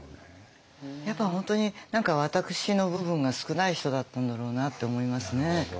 やっぱ本当に何か私の部分が少ない人だったんだろうなって思いますね。